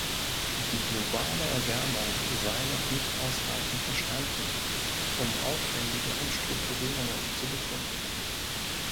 Die globale Erwärmung sei noch nicht ausreichend verstanden, um aufwendige Umstrukturierungen zu begründen.